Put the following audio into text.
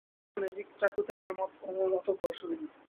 তোর গার্লফ্রেন্ডের ম্যাজিক চাকুতে আমার অত ভরসা নেই!